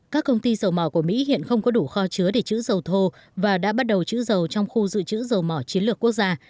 các công ty dầu mỏ của mỹ hiện không có đủ kho chứa để chữ dầu thô và đã bắt đầu chữ dầu trong khu dự trữ dầu mỏ chiến lược quốc gia